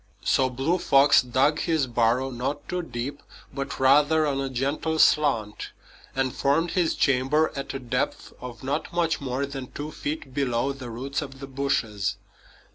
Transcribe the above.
So Blue Fox dug his burrow not too deep, but rather on a gentle slant, and formed his chamber at a depth of not much more than two feet below the roots of the bushes.